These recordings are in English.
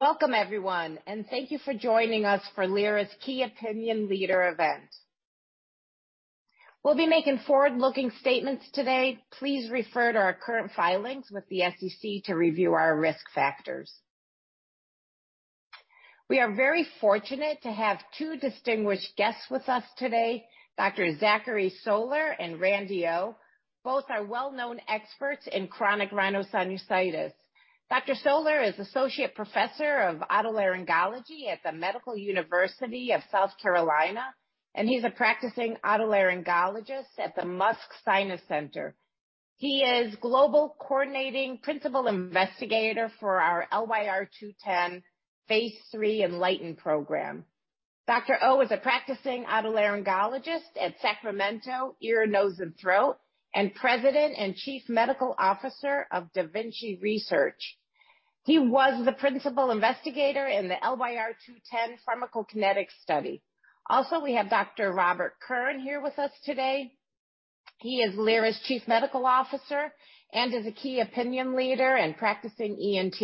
Welcome everyone, and thank you for joining us for LYRA's key opinion leader event. We'll be making forward-looking statements today. Please refer to our current filings with the SEC to review our risk factors. We are very fortunate to have two distinguished guests with us today, Dr. Zachary Soler and Randy Ow. Both are well-known experts in chronic rhinosinusitis. Dr. Soler is Associate Professor of Otolaryngology at the Medical University of South Carolina, and he's a Practicing Otolaryngologist at the MUSC Sinus Center. He is Global Coordinating Principal Investigator for our LYR-210 phase III ENLIGHTEN program. Dr. Ow is a Practicing Otolaryngologist at Sacramento Ear, Nose & Throat, and President and Chief Medical Officer of DaVinci Research. He was the principal investigator in the LYR-210 pharmacokinetics study. Also, we have Dr. Robert Kern here with us today. He is LYRA's Chief Medical Officer and is a key opinion leader and practicing ENT.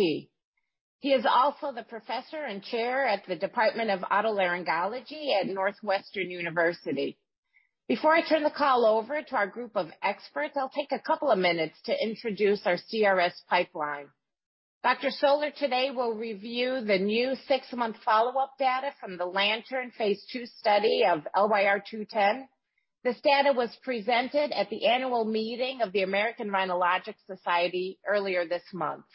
He is also the Professor and Chair at the Department of Otolaryngology at Northwestern University. Before I turn the call over to our group of experts, I'll take a couple of minutes to introduce our CRS pipeline. Dr. Soler today will review the new six-month follow-up data from the LANTERN phase II study of LYR-210. This data was presented at the Annual Meeting of the American Rhinologic Society earlier this month.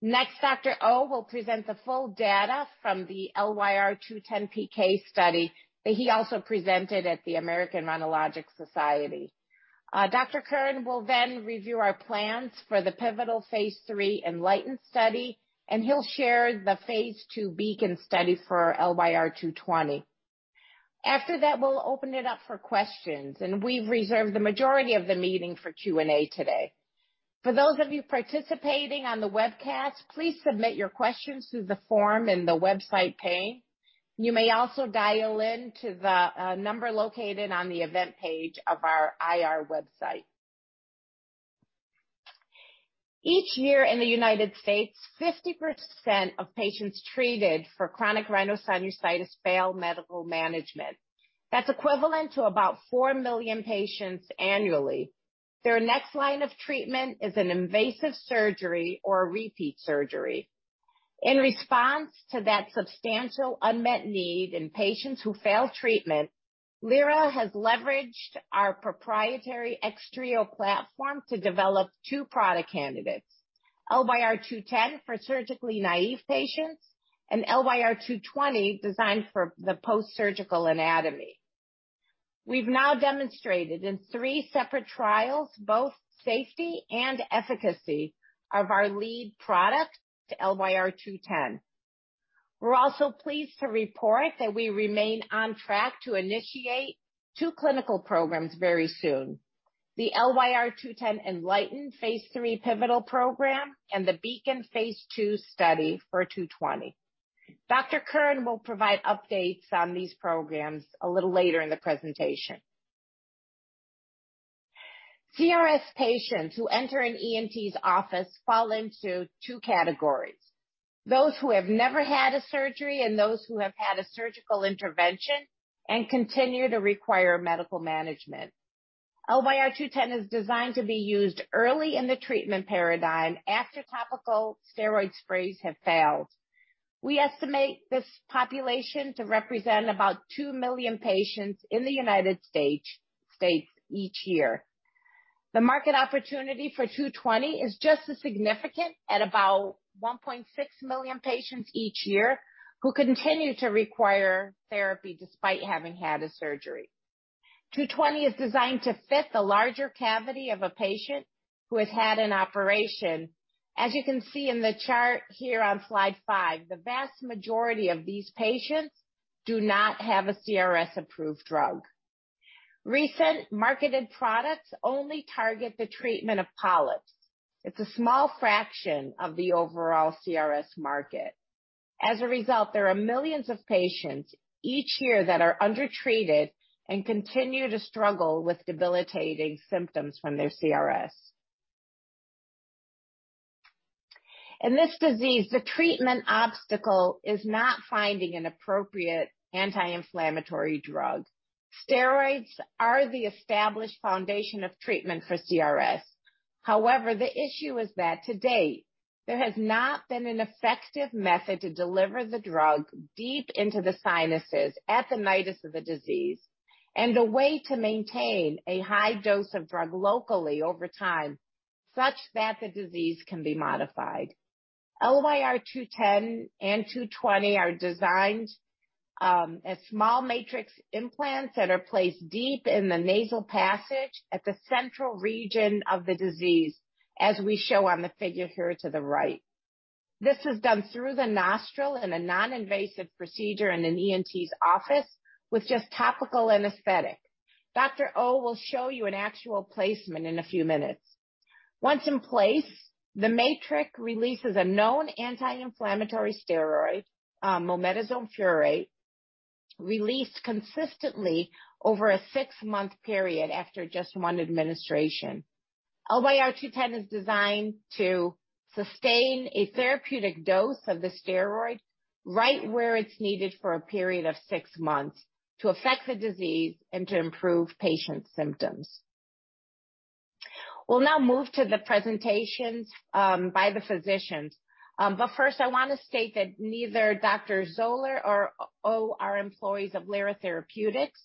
Next, Dr. Ow will present the full data from the LYR-210 PK study that he also presented at the American Rhinologic Society. Dr. Kern will then review our plans for the pivotal phase III ENLIGHTEN study, and he'll share the phase II BEACON study for LYR-220. After that, we'll open it up for questions, and we've reserved the majority of the meeting for Q&A today. For those of you participating on the webcast, please submit your questions through the form in the website pane. You may also dial in to the number located on the event page of our IR website. Each year in the United States, 50% of patients treated for chronic rhinosinusitis fail medical management. That's equivalent to about four million patients annually. Their next line of treatment is an invasive surgery or a repeat surgery. In response to that substantial unmet need in patients who fail treatment, LYRA has leveraged our proprietary XTReo platform to develop two product candidates, LYR-210 for surgically naive patients and LYR-220, designed for the post-surgical anatomy. We've now demonstrated in three separate trials both safety and efficacy of our lead product, the LYR-210. We're also pleased to report that we remain on track to initiate two clinical programs very soon. The LYR-210 ENLIGHTEN phase III pivotal program and the BEACON phase II study for LYR-220. Dr. Kern will provide updates on these programs a little later in the presentation. CRS patients who enter an ENT's office fall into two categories, those who have never had a surgery and those who have had a surgical intervention and continue to require medical management. LYR-210 is designed to be used early in the treatment paradigm after topical steroid sprays have failed. We estimate this population to represent about two million patients in the United States each year. The market opportunity for LYR-220 is just as significant at about 1.6 million patients each year who continue to require therapy despite having had a surgery. LYR-220 is designed to fit the larger cavity of a patient who has had an operation. As you can see in the chart here on slide five, the vast majority of these patients do not have a CRS-approved drug. Recent marketed products only target the treatment of polyps. It's a small fraction of the overall CRS market. As a result, there are millions of patients each year that are undertreated and continue to struggle with debilitating symptoms from their CRS. In this disease, the treatment obstacle is not finding an appropriate anti-inflammatory drug. Steroids are the established foundation of treatment for CRS. However, the issue is that to date, there has not been an effective method to deliver the drug deep into the sinuses at the site of the disease and a way to maintain a high dose of drug locally over time such that the disease can be modified. LYR-210 and LYR-220 are designed as small matrix implants that are placed deep in the nasal passage at the central region of the disease, as we show on the figure here to the right. This is done through the nostril in a non-invasive procedure in an ENT's office with just topical anesthetic. Dr. Ow will show you an actual placement in a few minutes. Once in place, the matrix releases a known anti-inflammatory steroid, mometasone furoate, released consistently over a six-month period after just one administration. LYR-210 is designed to sustain a therapeutic dose of the steroid right where it's needed for a period of six months to affect the disease and to improve patients' symptoms. We'll now move to the presentations by the physicians. First, I want to state that neither Dr. Soler or Dr. Ow are employees of Lyra Therapeutics.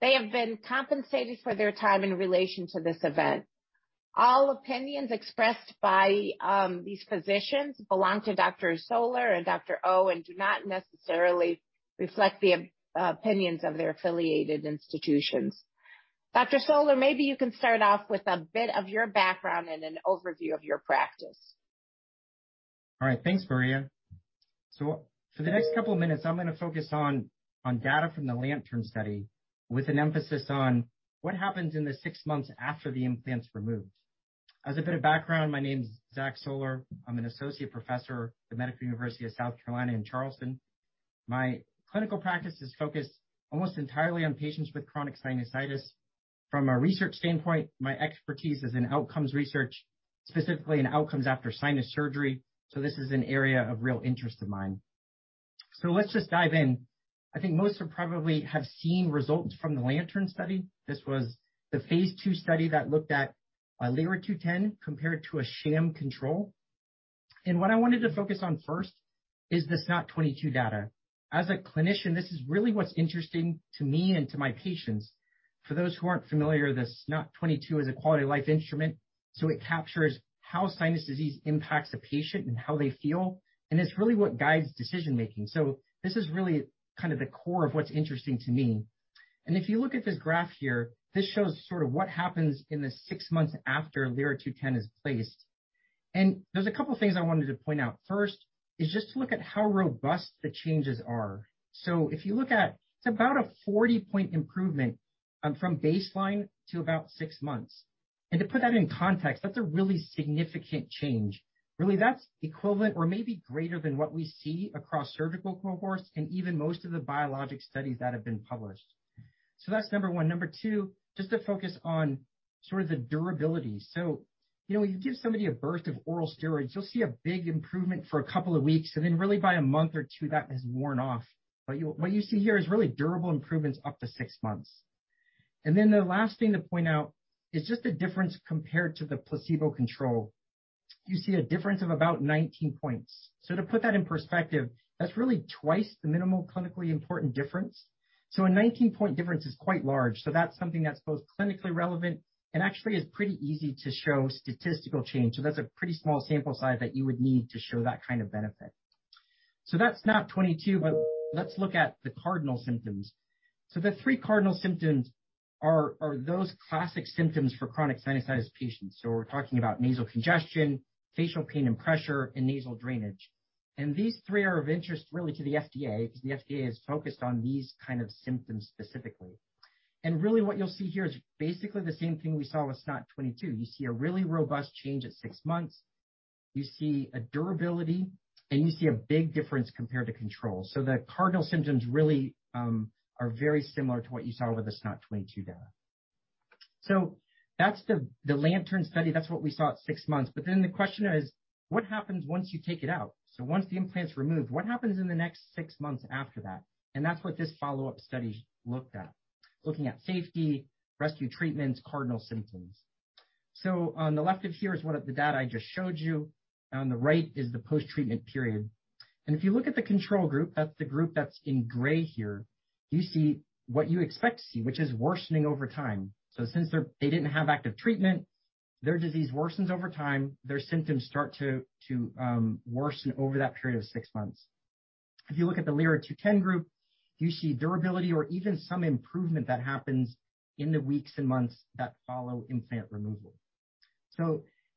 They have been compensated for their time in relation to this event. All opinions expressed by these physicians belong to Dr. Soler and Dr. Ow, and do not necessarily reflect the opinions of their affiliated institutions. Dr. Soler, maybe you can start off with a bit of your background and an overview of your practice. All right. Thanks, Maria. For the next couple of minutes, I'm gonna focus on data from the LANTERN study with an emphasis on what happens in the six months after the implant's removed. As a bit of background, my name's Zach Soler. I'm an Associate Professor at the Medical University of South Carolina in Charleston. My clinical practice is focused almost entirely on patients with chronic sinusitis. From a research standpoint, my expertise is in outcomes research, specifically in outcomes after sinus surgery. This is an area of real interest of mine. Let's just dive in. I think most are probably have seen results from the LANTERN study. This was the phase II study that looked at LYR-210 compared to a sham control. What I wanted to focus on first is the SNOT-22 data. As a clinician, this is really what's interesting to me and to my patients. For those who aren't familiar, the SNOT-22 is a quality-of-life instrument. It captures how sinus disease impacts a patient and how they feel. It's really what guides decision-making. This is really kind of the core of what's interesting to me. If you look at this graph here, this shows sort of what happens in the six months after LYR-210 is placed. There's a couple of things I wanted to point out. First is just to look at how robust the changes are. If you look at, it's about a 40-point improvement from baseline to about six months. To put that in context, that's a really significant change. Really, that's equivalent or maybe greater than what we see across surgical cohorts and even most of the biologic studies that have been published. That's number one. Number two, just to focus on sort of the durability. You know, you give somebody a burst of oral steroids, you'll see a big improvement for a couple of weeks, and then really by a month or two, that has worn off. But what you see here is really durable improvements up to six months. Then the last thing to point out is just the difference compared to the placebo control. You see a difference of about 19 points. To put that in perspective, that's really twice the minimal clinically important difference. A 19-point difference is quite large. That's something that's both clinically relevant and actually is pretty easy to show statistical change. That's a pretty small sample size that you would need to show that kind of benefit. That's SNOT-22, but let's look at the cardinal symptoms. The three cardinal symptoms are those classic symptoms for chronic sinusitis patients. We're talking about nasal congestion, facial pain and pressure, and nasal drainage. These three are of interest really to the FDA, because the FDA is focused on these kind of symptoms specifically. Really what you'll see here is basically the same thing we saw with SNOT-22. You see a really robust change at six months. You see a durability, and you see a big difference compared to control. The cardinal symptoms really are very similar to what you saw with the SNOT-22 data. That's the LANTERN study. That's what we saw at six months. The question is, what happens once you take it out? Once the implant's removed, what happens in the next six months after that? That's what this follow-up study looked at, looking at safety, rescue treatments, cardinal symptoms. On the left of here is one of the data I just showed you, and on the right is the post-treatment period. If you look at the control group, that's the group that's in gray here, you see what you expect to see, which is worsening over time. Since they didn't have active treatment, their disease worsens over time. Their symptoms start to worsen over that period of six months. If you look at the LYR-210 group, you see durability or even some improvement that happens in the weeks and months that follow implant removal.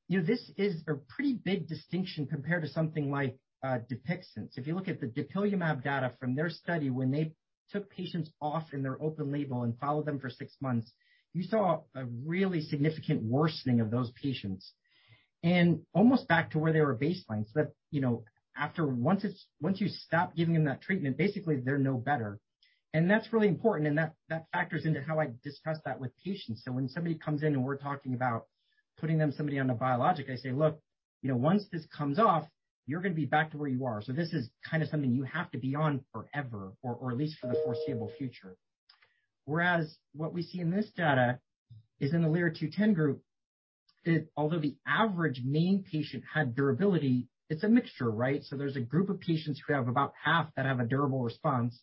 You know, this is a pretty big distinction compared to something like, DUPIXENT. If you look at the dupilumab data from their study when they took patients off in their open label and followed them for six months, you saw a really significant worsening of those patients and almost back to where they were baseline. You know, once you stop giving them that treatment, basically they're no better. That's really important, and that factors into how I discuss that with patients. When somebody comes in and we're talking about somebody on a biologic, I say, "Look, you know, once this comes off, you're gonna be back to where you are. This is kinda something you have to be on forever or at least for the foreseeable future. Whereas what we see in this data is in the LYR-210 group, it, although the average main patient had durability, it's a mixture, right? There's a group of patients who have about half that have a durable response,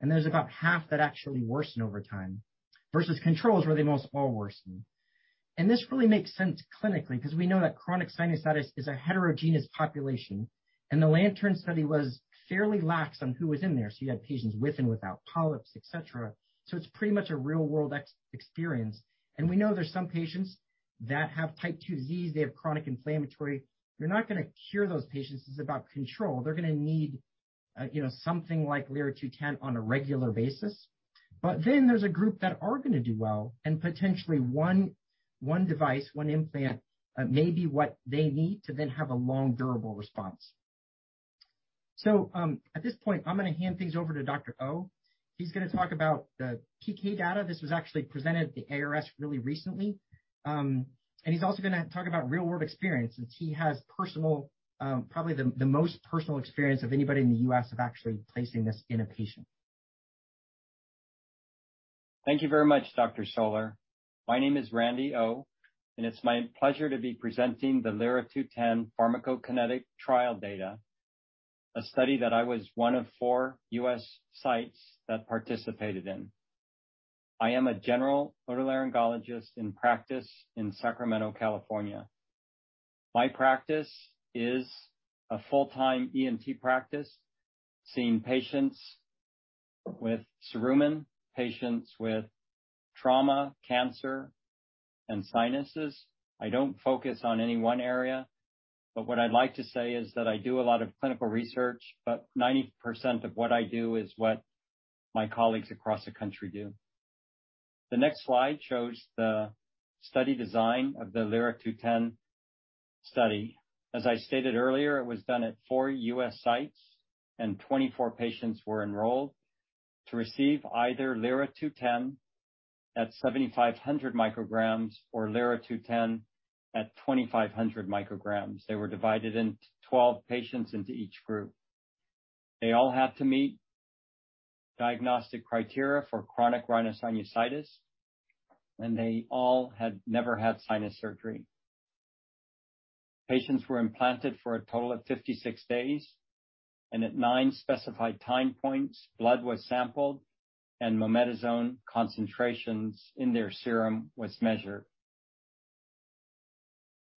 and there's about half that actually worsen over time versus controls, where they most all worsen. This really makes sense clinically because we know that chronic sinusitis is a heterogeneous population, and the LANTERN study was fairly lax on who was in there. You had patients with and without polyps, et cetera. It's pretty much a real-world experience. We know there's some patients that have type 2 disease, they have chronic inflammatory. You're not gonna cure those patients. This is about control. They're gonna need you know something like LYR-210 on a regular basis. Then there's a group that are gonna do well, and potentially one device, one implant may be what they need to then have a long durable response. At this point, I'm gonna hand things over to Dr. Ow. He's gonna talk about the PK data. This was actually presented at the ARS really recently. And he's also gonna talk about real-world experience, since he has personal probably the most personal experience of anybody in the U.S. of actually placing this in a patient. Thank you very much, Dr. Soler. My name is Randy Ow, and it's my pleasure to be presenting the LYR-210 pharmacokinetic trial data, a study that I was one of four U.S. sites that participated in. I am a General Otolaryngologist in practice in Sacramento, California. My practice is a full-time ENT practice, seeing patients with cerumen, patients with trauma, cancer, and sinuses. I don't focus on any one area, but what I'd like to say is that I do a lot of clinical research, but 90% of what I do is what my colleagues across the country do. The next slide shows the study design of the LYR-210 study. As I stated earlier, it was done at four U.S. sites, and 24 patients were enrolled to receive either LYR-210 at 7,500 mcg or LYR-210 at 2,500 mcg. They were divided into 12 patients into each group. They all had to meet diagnostic criteria for chronic rhinosinusitis, and they all had never had sinus surgery. Patients were implanted for a total of 56 days, and at nine specified time points, blood was sampled, and mometasone concentrations in their serum was measured.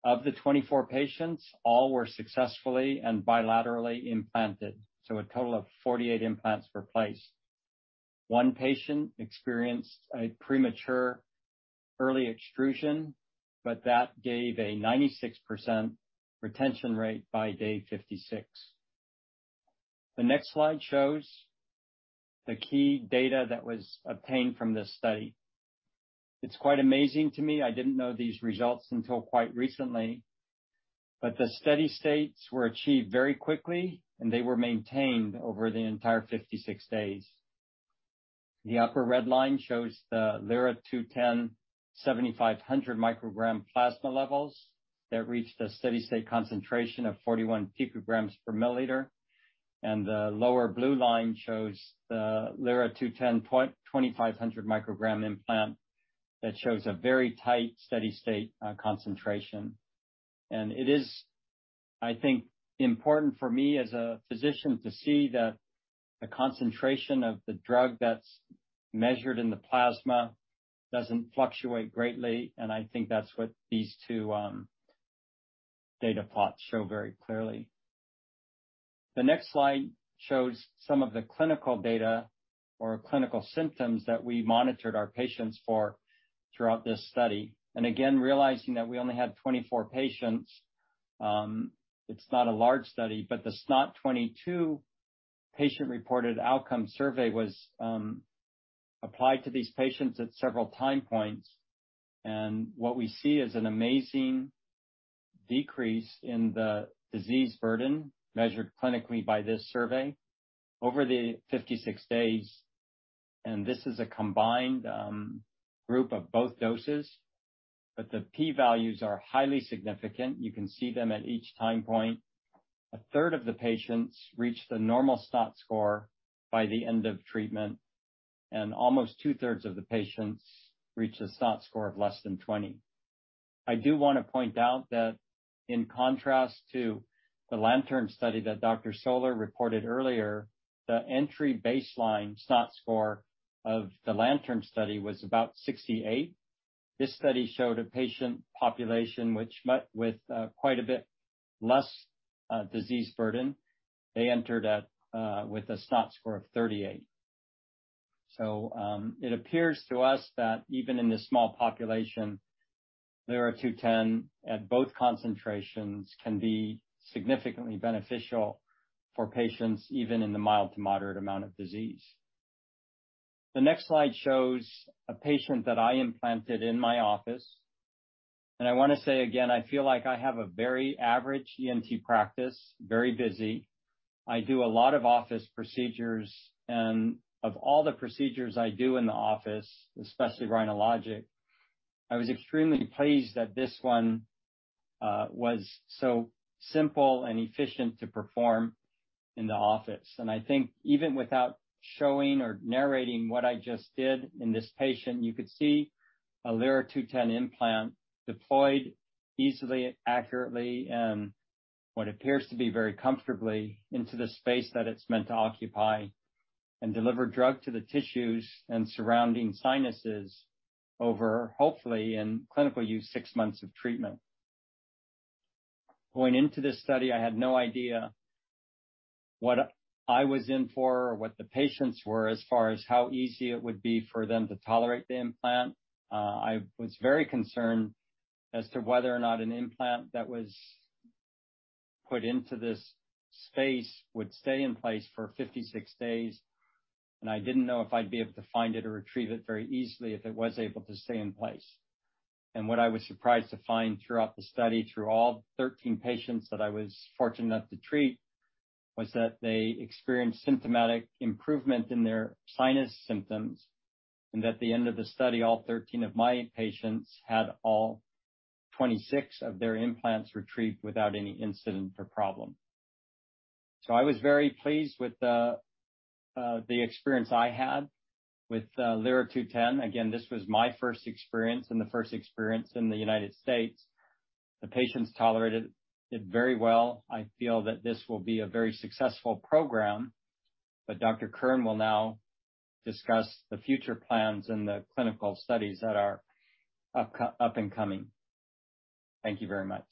Of the 24 patients, all were successfully and bilaterally implanted, so a total of 48 implants were placed. One patient experienced a premature early extrusion, but that gave a 96% retention rate by day 56. The next slide shows the key data that was obtained from this study. It's quite amazing to me. I didn't know these results until quite recently, but the steady states were achieved very quickly, and they were maintained over the entire 56 days. The upper red line shows the LYR-210 7,500 mcg plasma levels that reached a steady-state concentration of 41 pg/mL. The lower blue line shows the LYR-210 2,500 mcg implant that shows a very tight, steady-state concentration. It is, I think, important for me as a physician to see that the concentration of the drug that's measured in the plasma doesn't fluctuate greatly, and I think that's what these two data plots show very clearly. The next slide shows some of the clinical data or clinical symptoms that we monitored our patients for throughout this study. Again, realizing that we only had 24 patients, it's not a large study, but the SNOT-22 patient-reported outcome survey was applied to these patients at several time points. What we see is an amazing decrease in the disease burden measured clinically by this survey over the 56 days. This is a combined group of both doses, but the p-values are highly significant. You can see them at each time point. 1/3 of the patients reached the normal SNOT score by the end of treatment, and almost 2/3s of the patients reached a SNOT score of less than 20. I do wanna point out that in contrast to the LANTERN study that Dr. Soler reported earlier, the entry baseline SNOT score of the LANTERN study was about 68. This study showed a patient population which met with quite a bit less disease burden. They entered at with a SNOT score of 38. It appears to us that even in this small population, LYR-210 at both concentrations can be significantly beneficial for patients even in the mild to moderate amount of disease. The next slide shows a patient that I implanted in my office. I wanna say again, I feel like I have a very average ENT practice, very busy. I do a lot of office procedures, and of all the procedures I do in the office, especially rhinologic, I was extremely pleased that this one was so simple and efficient to perform in the office. I think even without showing or narrating what I just did in this patient, you could see a LYR-210 implant deployed easily, accurately, and what appears to be very comfortably into the space that it's meant to occupy and deliver drug to the tissues and surrounding sinuses over, hopefully, in clinical use, six months of treatment. Going into this study, I had no idea what I was in for or what the patients were, as far as how easy it would be for them to tolerate the implant. I was very concerned as to whether or not an implant that was put into this space would stay in place for 56 days, and I didn't know if I'd be able to find it or retrieve it very easily if it was able to stay in place. What I was surprised to find throughout the study, through all 13 patients that I was fortunate enough to treat, was that they experienced symptomatic improvement in their sinus symptoms, and at the end of the study, all 13 of my patients had all 26 of their implants retrieved without any incident or problem. I was very pleased with the experience I had with LYR-210. Again, this was my first experience and the first experience in the United States. The patients tolerated it very well. I feel that this will be a very successful program. Dr. Kern will now discuss the future plans and the clinical studies that are upcoming. Thank you very much.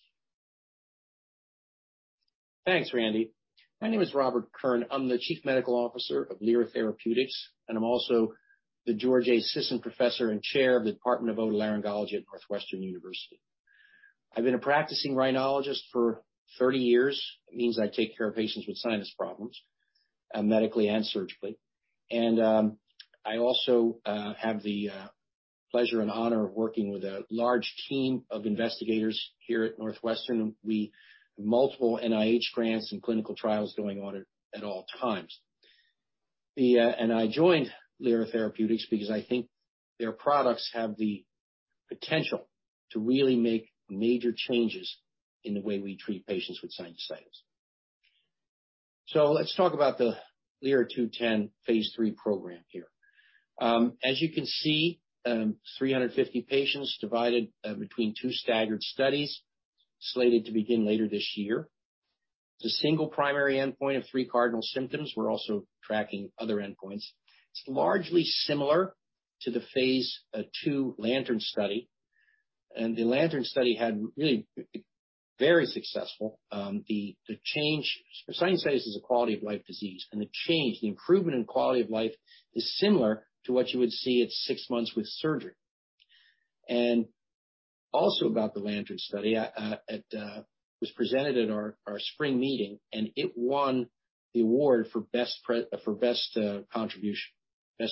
Thanks, Randy. My name is Robert Kern. I'm the Chief Medical Officer of Lyra Therapeutics, and I'm also the George A. Sisson Professor and Chair of the Department of Otolaryngology at Northwestern University. I've been a practicing rhinologist for 30 years. It means I take care of patients with sinus problems medically and surgically. I also have the pleasure and honor of working with a large team of investigators here at Northwestern. Multiple NIH grants and clinical trials going on at all times. I joined Lyra Therapeutics because I think their products have the potential to really make major changes in the way we treat patients with sinusitis. Let's talk about the LYR-210 phase III program here. As you can see, 350 patients divided between two staggered studies slated to begin later this year. The single primary endpoint of three cardinal symptoms. We're also tracking other endpoints. It's largely similar to the phase II LANTERN study. The LANTERN study was very successful. The change. Sinusitis is a quality-of-life disease, and the change, the improvement in quality of life is similar to what you would see at six months with surgery. It was presented at our spring meeting, and it won the award for best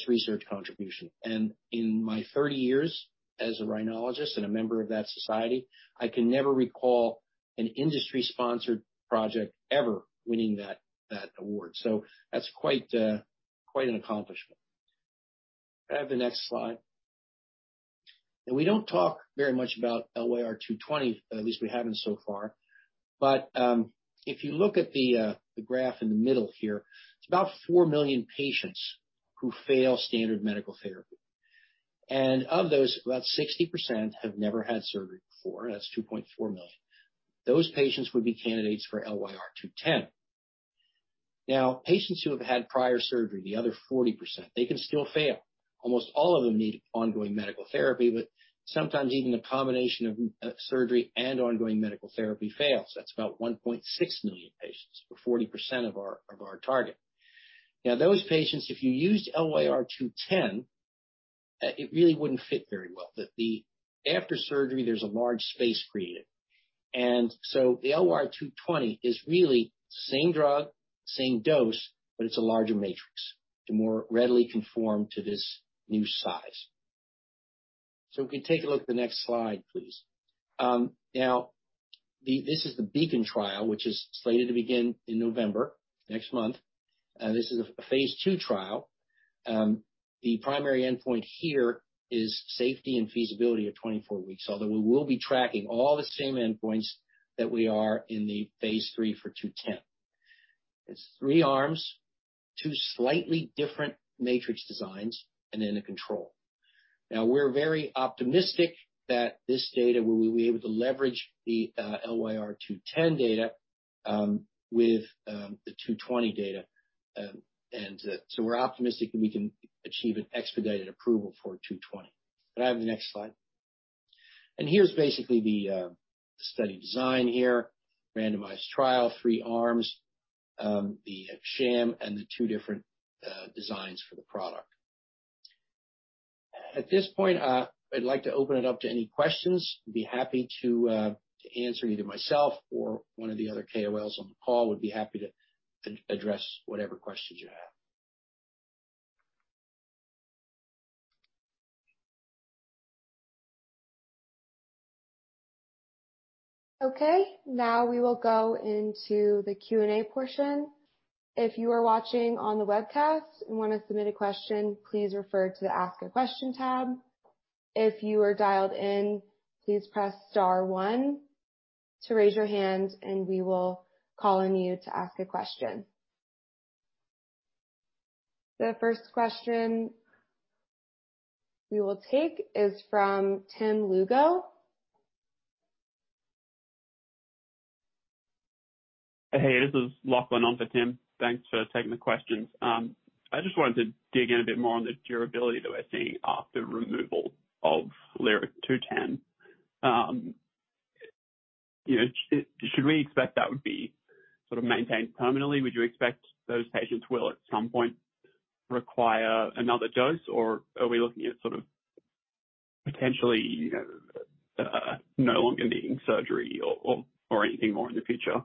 research contribution. In my 30 years as a rhinologist and a member of that society, I can never recall an industry-sponsored project ever winning that award. That's quite an accomplishment. Can I have the next slide? We don't talk very much about LYR-220, at least we haven't so far. If you look at the graph in the middle here, it's about four million patients who fail standard medical therapy. Of those, about 60% have never had surgery before, and that's 2.4 million. Those patients would be candidates for LYR-210. Now, patients who have had prior surgery, the other 40%, they can still fail. Almost all of them need ongoing medical therapy, but sometimes even a combination of surgery and ongoing medical therapy fails. That's about 1.6 million patients, or 40% of our target. Now, those patients, if you used LYR-210, it really wouldn't fit very well. After surgery, there's a large space created. The LYR-220 is really same drug, same dose, but it's a larger matrix to more readily conform to this new size. We can take a look at the next slide, please. This is the BEACON trial, which is slated to begin in November, next month. This is a phase II trial. The primary endpoint here is safety and feasibility at 24 weeks, although we will be tracking all the same endpoints that we are in the phase III for LYR-210. It's three arms, two slightly different matrix designs, and then a control. We're very optimistic that this data, we will be able to leverage the LYR-210 data with the LYR-220 data. We're optimistic that we can achieve an expedited approval for LYR-220. Can I have the next slide? Here's basically the study design here. Randomized trial, three arms, the sham and the two different designs for the product. At this point, I'd like to open it up to any questions. I'd be happy to answer either myself or one of the other KOLs on the call would be happy to address whatever questions you have. Okay, now we will go into the Q&A portion. If you are watching on the webcast and wanna submit a question, please refer to the Ask a Question tab. If you are dialed in, please press star one to raise your hand, and we will call on you to ask a question. The first question we will take is from Tim Lugo. Hey, this is Lachlan on for Tim. Thanks for taking the questions. I just wanted to dig in a bit more on the durability that we're seeing after removal of LYR-210. Should we expect that would be sort of maintained permanently? Would you expect those patients will at some point require another dose, or are we looking at potentially no longer needing surgery or anything more in the future?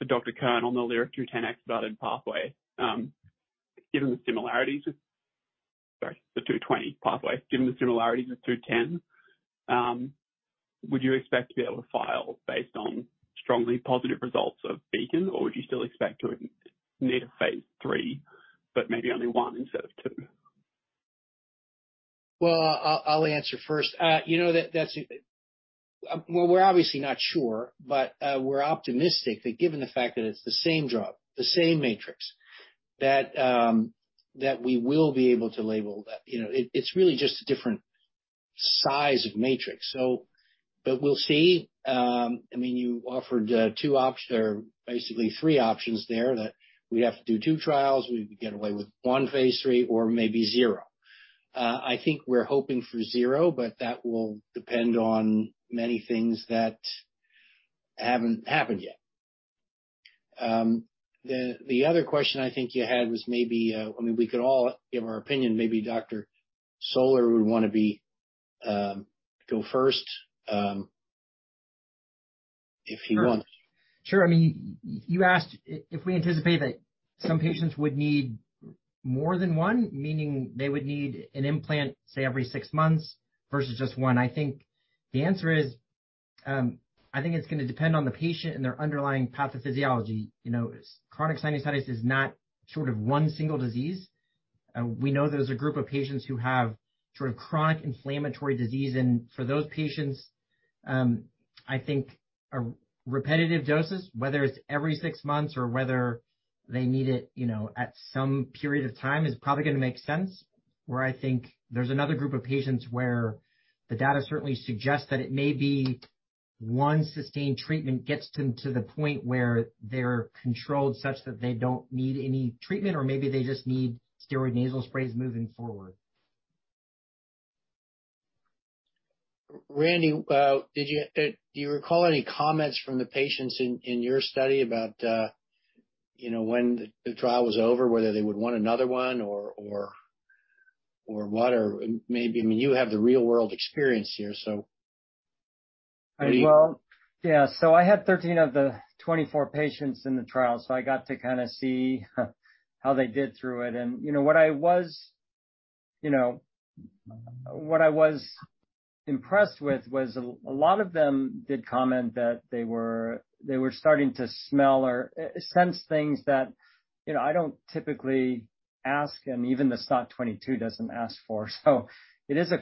For Dr. Kern on the LYR-210 accelerated pathway, given the similarities with the LYR-220 pathway. Given the similarities with LYR-210, would you expect to be able to file based on strongly positive results of BEACON? Or would you still expect to need a phase III, but maybe only one instead of two? Well, I'll answer first. You know, we're obviously not sure, but we're optimistic that given the fact that it's the same drug, the same matrix, that we will be able to label that. You know, it's really just a different size of matrix. But we'll see. I mean, you offered two options there, basically three options there, that we'd have to do two trials, we'd get away with one phase III, or maybe zero. I think we're hoping for zero, but that will depend on many things that haven't happened yet. The other question I think you had was maybe, I mean, we could all give our opinion. Maybe Dr. Soler would wanna go first, if he wants. Sure, I mean, you asked if we anticipate that some patients would need more than one, meaning they would need an implant, say, every six months versus just one. I think the answer is, I think it's gonna depend on the patient and their underlying pathophysiology. You know, chronic sinusitis is not sort of one single disease. We know there's a group of patients who have sort of chronic inflammatory disease, and for those patients, I think a repetitive doses, whether it's every six months or whether they need it, you know, at some period of time, is probably gonna make sense. Where I think there's another group of patients where the data certainly suggests that it may be one sustained treatment gets them to the point where they're controlled such that they don't need any treatment or maybe they just need steroid nasal sprays moving forward. Randy, do you recall any comments from the patients in your study about, you know, when the trial was over, whether they would want another one or what? Or maybe, I mean, you have the real-world experience here, so what do you. Yeah. I had 13 of the 24 patients in the trial, so I got to kinda see how they did through it. You know, what I was impressed with was a lot of them did comment that they were starting to smell or sense things that, you know, I don't typically ask, and even the SNOT-22 doesn't ask for. It is a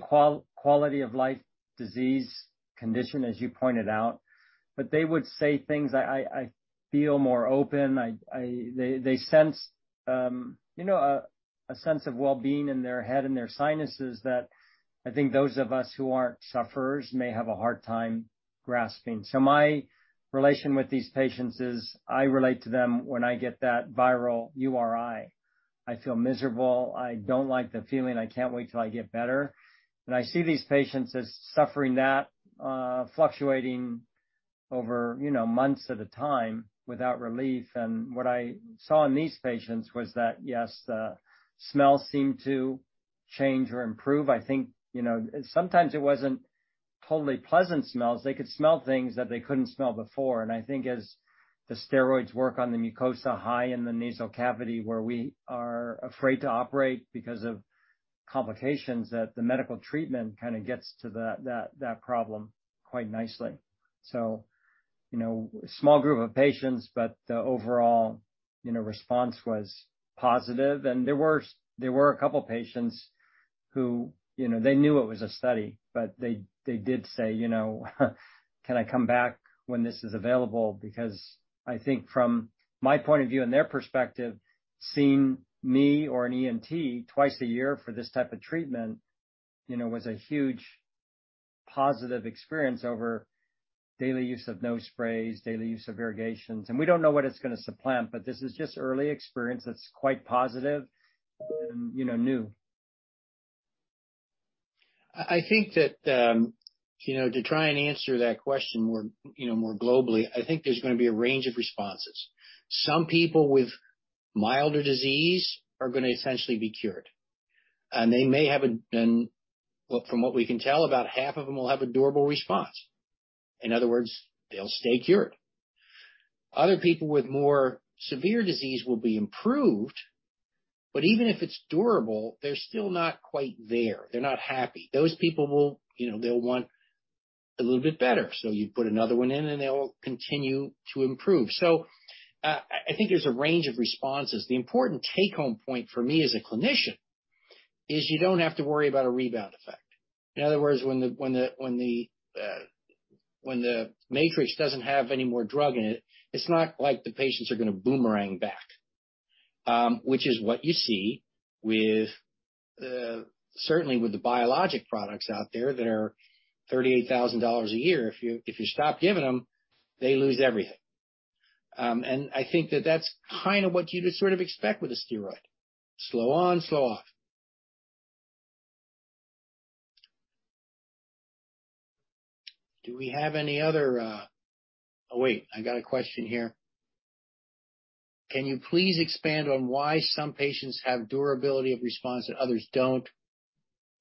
quality of life disease condition, as you pointed out. They would say things, I feel more open. They sense, you know, a sense of well-being in their head and their sinuses that I think those of us who aren't sufferers may have a hard time grasping. My relation with these patients is I relate to them when I get that viral URI. I feel miserable. I don't like the feeling. I can't wait till I get better. I see these patients as suffering that fluctuating over, you know, months at a time without relief. What I saw in these patients was that, yes, the smell seemed to change or improve. I think, you know, sometimes it wasn't totally pleasant smells. They could smell things that they couldn't smell before. I think as the steroids work on the mucosa high in the nasal cavity where we are afraid to operate because of complications, that the medical treatment kinda gets to that problem quite nicely. You know, small group of patients, but the overall, you know, response was positive. There were a couple patients who, you know, they knew it was a study, but they did say, you know, "Can I come back when this is available?" Because I think from my point of view and their perspective, seeing me or an ENT twice a year for this type of treatment, you know, was a huge positive experience over daily use of nose sprays, daily use of irrigations. We don't know what it's gonna supplant, but this is just early experience that's quite positive and, you know, new. I think that, you know, to try and answer that question more, you know, more globally, I think there's gonna be a range of responses. Some people with milder disease are gonna essentially be cured. They may have. Well, from what we can tell, about half of them will have a durable response. In other words, they'll stay cured. Other people with more severe disease will be improved. Even if it's durable, they're still not quite there. They're not happy. Those people will, you know, they'll want a little bit better. You put another one in, and they'll continue to improve. I think there's a range of responses. The important take-home point for me as a clinician is you don't have to worry about a rebound effect. In other words, when the matrix doesn't have any more drug in it's not like the patients are gonna boomerang back. Which is what you see with certainly the biologic products out there that are $38,000 a year. If you stop giving them, they lose everything. I think that's kinda what you would sort of expect with a steroid. Slow on, slow off. Do we have any other? Oh, wait, I got a question here. Can you please expand on why some patients have durability of response that others don't?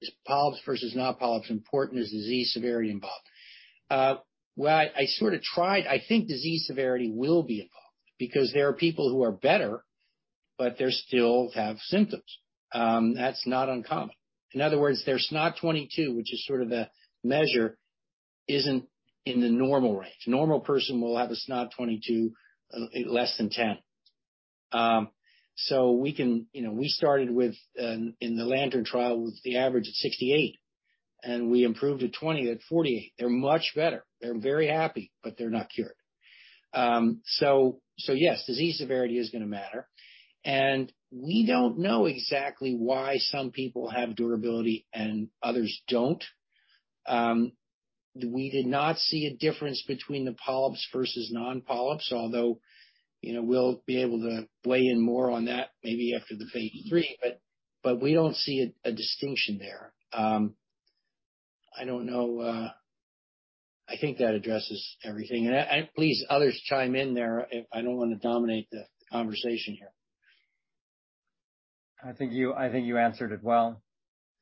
Is polyps versus not polyps important? Is disease severity involved? Well, I sort of tried. I think disease severity will be involved because there are people who are better, but they still have symptoms. That's not uncommon. In other words, their SNOT-22, which is sort of a measure, isn't in the normal range. A normal person will have a SNOT-22 less than 10. You know, we started with, in the LANTERN trial, with the average of 68, and we improved to 20 at 48. They're much better, they're very happy, but they're not cured. So yes, disease severity is gonna matter. We don't know exactly why some people have durability and others don't. We did not see a difference between the polyps versus non-polyps, although, you know, we'll be able to weigh in more on that maybe after the phase III. We don't see a distinction there. I don't know. I think that addresses everything. Please, others chime in there if I don't wanna dominate the conversation here. I think you answered it well.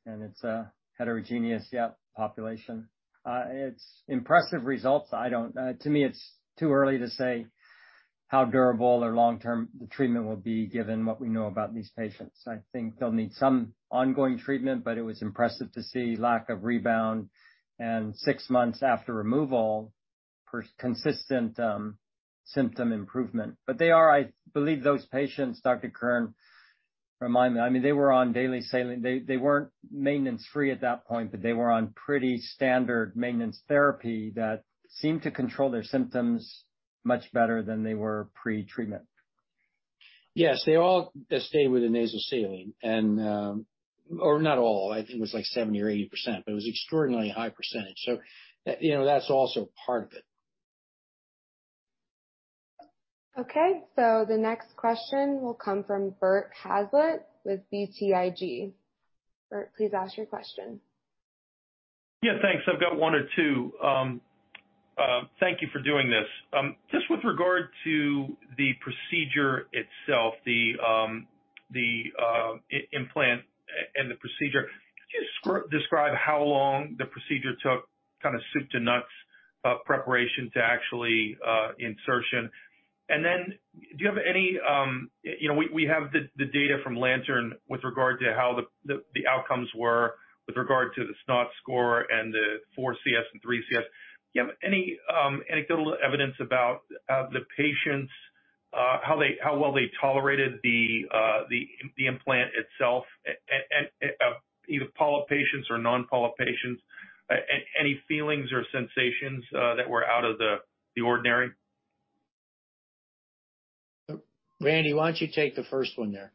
It's a heterogeneous, yeah, population. It's impressive results. To me, it's too early to say how durable or long-term the treatment will be, given what we know about these patients. I think they'll need some ongoing treatment, but it was impressive to see lack of rebound and six months after removal, consistent symptom improvement. I believe those patients, Dr. Kern, remind me. I mean, they were on daily saline. They weren't maintenance-free at that point, but they were on pretty standard maintenance therapy that seemed to control their symptoms much better than they were pre-treatment. Yes. They all stayed with the nasal saline, or not all. I think it was, like, 70% or 80%, but it was extraordinarily high percentage. You know, that's also part of it. Okay, the next question will come from Bert Hazlett with BTIG. Bert, please ask your question. Yeah, thanks. I've got one or two. Thank you for doing this. Just with regard to the procedure itself, the implant and the procedure. Could you describe how long the procedure took, kinda soup to nuts, preparation to actually insertion? And then do you have any. You know, we have the data from LANTERN with regard to how the outcomes were with regard to the SNOT score and the 4CS and 3CS. Do you have any anecdotal evidence about the patients, how they, how well they tolerated the implant itself? Either polyp patients or non-polyp patients. Any feelings or sensations that were out of the ordinary? Randy, why don't you take the first one there?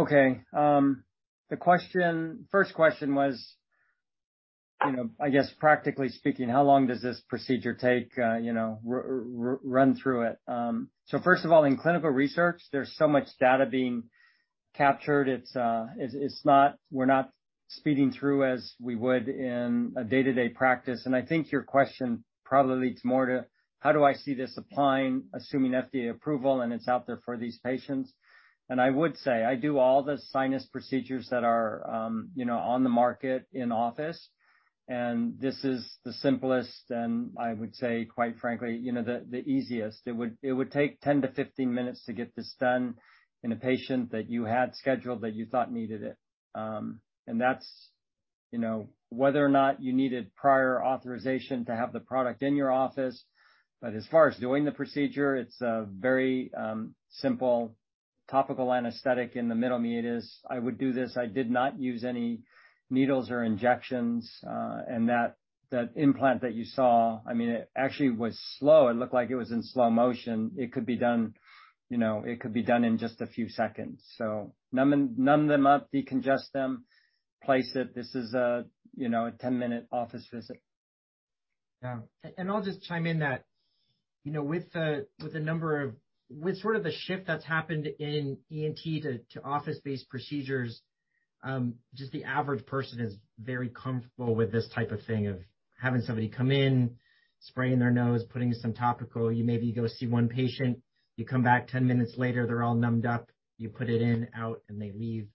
Okay. The question, first question was, you know, I guess practically speaking, how long does this procedure take? You know, run through it. First of all, in clinical research, there's so much data being captured. It's not, we're not speeding through as we would in a day-to-day practice. I think your question probably leads more to how do I see this applying, assuming FDA approval, and it's out there for these patients. I would say I do all the sinus procedures that are, you know, on the market in office, and this is the simplest and I would say quite frankly, you know, the easiest. It would take 10 to 15 minutes to get this done in a patient that you had scheduled that you thought needed it. That's, you know, whether or not you needed prior authorization to have the product in your office. As far as doing the procedure, it's a very simple topical anesthetic in the middle meatus. I would do this. I did not use any needles or injections, and that implant that you saw, I mean, it actually was slow. It looked like it was in slow motion. It could be done, you know, in just a few seconds. Numb them up, decongest them, place it. This is, you know, a 10-minute office visit. I'll just chime in that, you know, with sort of the shift that's happened in ENT to office-based procedures, just the average person is very comfortable with this type of thing of having somebody come in, spraying their nose, putting some topical. You maybe go see one patient, you come back 10 minutes later, they're all numbed up, you put it in, out, and they leave.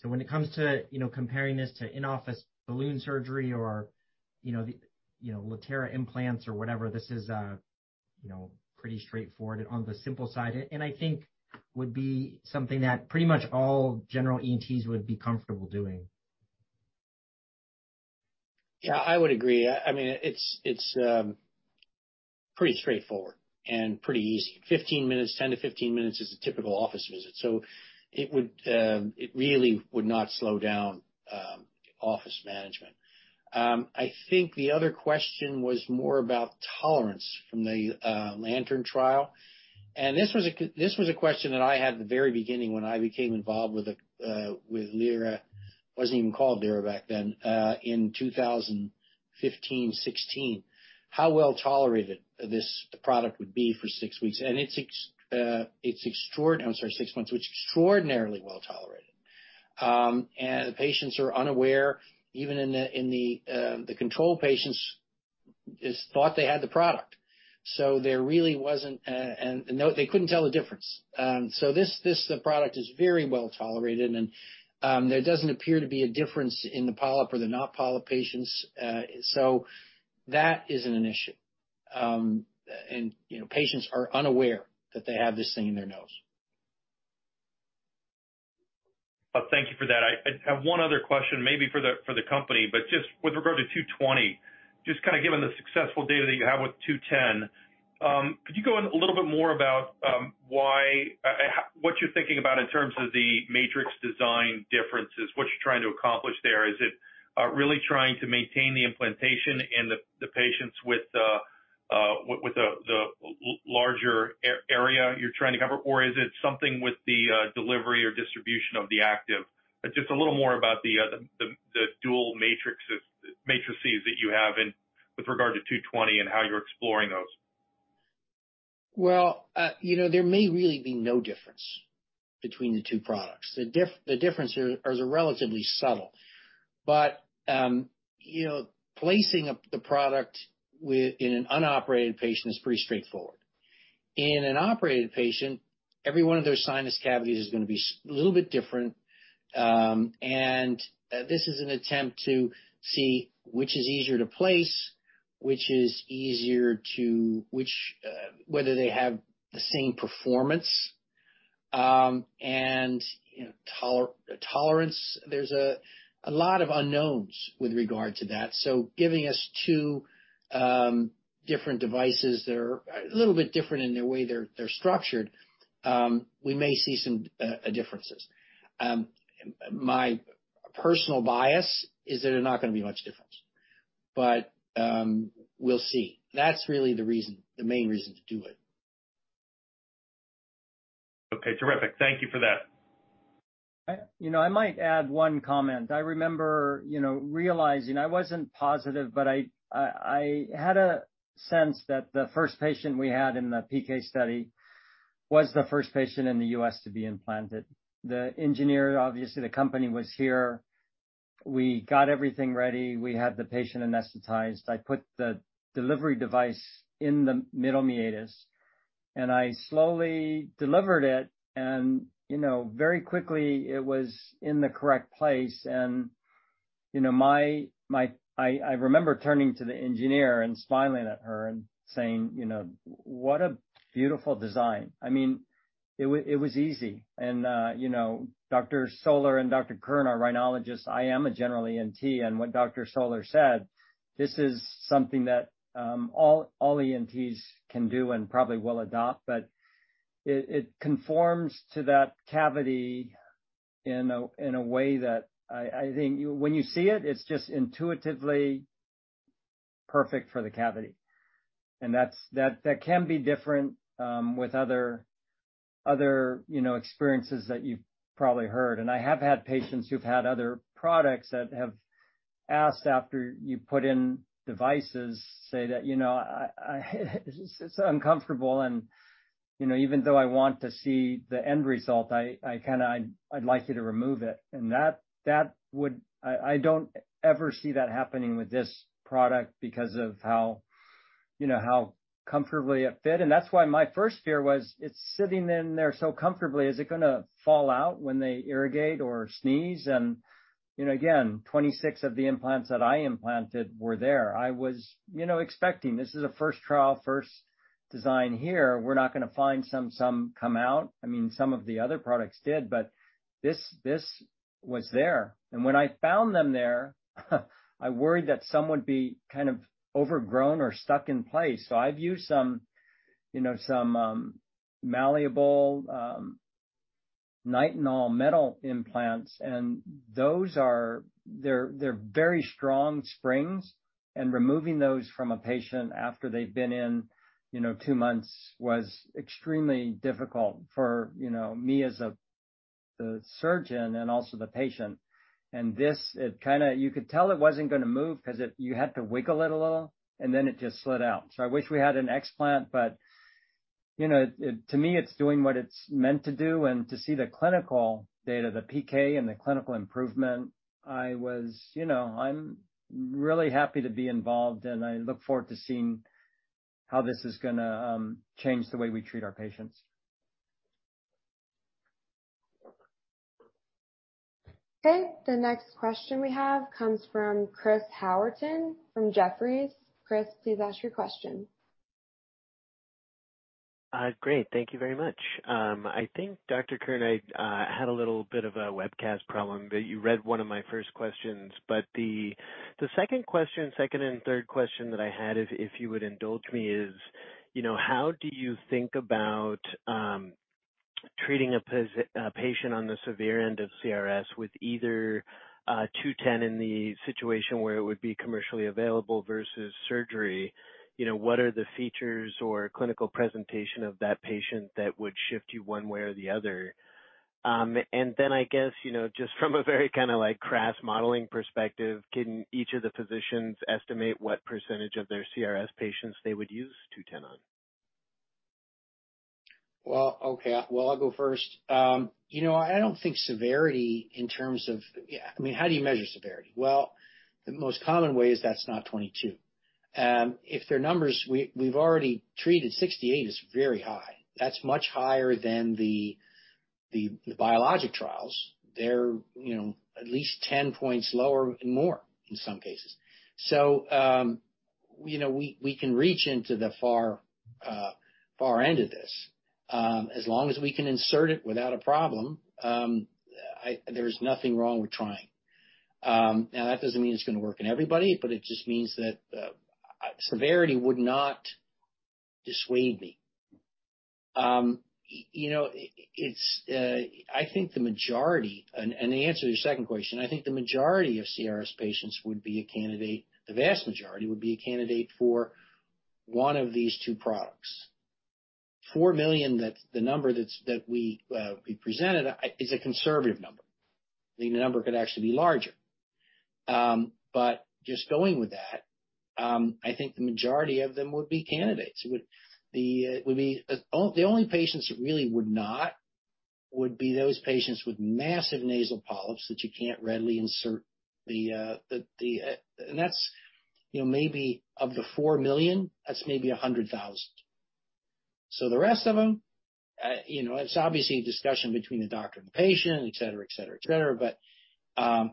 So when it comes to, you know, comparing this to in-office balloon surgery or, you know, the, you know, LATERA implants or whatever, this is, you know, pretty straightforward on the simple side, and I think would be something that pretty much all general ENTs would be comfortable doing. Yeah, I would agree. I mean, it's pretty straightforward and pretty easy. 15 minutes, 10 to 15 minutes is a typical office visit. It really would not slow down office management. I think the other question was more about tolerance from the LANTERN trial, and this was a question that I had at the very beginning when I became involved with LYRA. It wasn't even called LYRA back then, in 2015, 2016. How well tolerated this product would be for six weeks, and it's extraordinary. I'm sorry, six months. It's extraordinarily well tolerated, and the patients are unaware. Even in the control patients just thought they had the product. So there really wasn't, and they couldn't tell the difference. This product is very well tolerated, and there doesn't appear to be a difference in the polyp or the non-polyp patients. That isn't an issue. You know, patients are unaware that they have this thing in their nose. Well, thank you for that. I have one other question maybe for the company, but just with regard to 220, just kinda given the successful data that you have with 210, could you go in a little bit more about why what you're thinking about in terms of the matrix design differences, what you're trying to accomplish there. Is it really trying to maintain the implantation in the patients with the larger area you're trying to cover? Or is it something with the delivery or distribution of the active? Just a little more about the dual matrices that you have and with regard to 220 and how you're exploring those. Well, you know, there may really be no difference between the two products. The differences are relatively subtle. You know, placing the product in an unoperated patient is pretty straightforward. In an operated patient, every one of their sinus cavities is gonna be a little bit different, and this is an attempt to see which is easier to place, whether they have the same performance, and, you know, tolerance. There's a lot of unknowns with regard to that. Giving us two different devices that are a little bit different in the way they're structured, we may see some differences. My personal bias is that they're not gonna be much difference. We'll see. That's really the reason, the main reason to do it. Okay terrific. Thank you for that. You know, I might add one comment. I remember, you know, realizing I wasn't positive, but I had a sense that the first patient we had in the PK study was the first patient in the U.S. to be implanted. The engineer, obviously, the company was here. We got everything ready. We had the patient anesthetized. I put the delivery device in the middle meatus, and I slowly delivered it and, you know, very quickly it was in the correct place. You know, I remember turning to the engineer and smiling at her and saying, you know, "What a beautiful design." I mean, it was easy. You know, Dr. Soler and Dr. Kern are rhinologists. I am a General ENT, and what Dr. Soler said, this is something that all ENTs can do and probably will adopt. It conforms to that cavity in a way that I think you... When you see it's just intuitively perfect for the cavity. That's can be different with other, you know, experiences that you've probably heard. I have had patients who've had other products that have asked after you put in devices, say that, "You know, it's uncomfortable and, you know, even though I want to see the end result, kinda, I'd like you to remove it." That would. I don't ever see that happening with this product because of how, you know, how comfortably it fit. That's why my first fear was it's sitting in there so comfortably, is it gonna fall out when they irrigate or sneeze? You know, again, 26 of the implants that I implanted were there. I was, you know, expecting, this is a first trial, first design here. We're not gonna find some come out. I mean, some of the other products did, but this was there. When I found them there, I worried that some would be kind of overgrown or stuck in place. I've used some, you know, some malleable nitinol metal implants, and those are. They're very strong springs, and removing those from a patient after they've been in, you know, two months was extremely difficult for, you know, me as the surgeon and also the patient. You could tell it wasn't gonna move 'cause you had to wiggle it a little, and then it just slid out. I wish we had an explant, but, you know, it to me, it's doing what it's meant to do. To see the clinical data, the PK and the clinical improvement, you know, I'm really happy to be involved, and I look forward to seeing how this is gonna change the way we treat our patients. Okay. The next question we have comes from Chris Howerton from Jefferies. Chris, please ask your question. Great thank you very much. I think Dr. Kern, I had a little bit of a webcast problem, but you read one of my first questions. The second and third question that I had, if you would indulge me, is, you know, how do you think about treating a patient on the severe end of CRS with either LYR-210 in the situation where it would be commercially available versus surgery? You know, what are the features or clinical presentation of that patient that would shift you one way or the other? And then I guess, you know, just from a very kinda like crass modeling perspective, can each of the physicians estimate what percentage of their CRS patients they would use LYR-210 on? Well, okay. Well, I'll go first. You know, I don't think severity in terms of. Yeah, I mean, how do you measure severity? Well, the most common way is SNOT-22. If their numbers, we've already treated 68, is very high. That's much higher than the biologic trials. They're, you know, at least 10 points lower and more in some cases. You know, we can reach into the far end of this. As long as we can insert it without a problem, there's nothing wrong with trying. Now, that doesn't mean it's gonna work in everybody, but it just means that severity would not dissuade me. You know, it's, I think the majority. To answer your second question, I think the majority of CRS patients would be a candidate. The vast majority would be a candidate for one of these two products. four million, that's the number that we presented, is a conservative number. The number could actually be larger. Just going with that, I think the majority of them would be candidates. The only patients that really would not be those patients with massive nasal polyps that you can't readily insert the. That's, you know, maybe of the four million, that's maybe 100,000. The rest of them, you know, it's obviously a discussion between the doctor and the patient, et cetera, et cetera, et cetera.